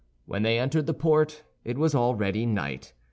When they entered the port, it was already night.